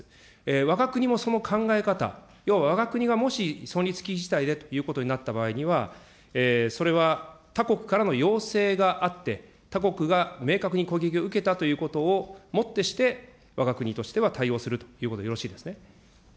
わが国もその考え方、いわば存立危機事態でということになった場合は、それは他国からの要請があって、他国が明確に攻撃を受けたということをもってして、わが国としては対応するということでよろしいですね。